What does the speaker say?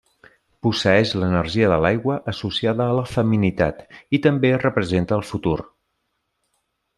Posseeix l'energia de l'aigua associada a la feminitat i també representa el futur.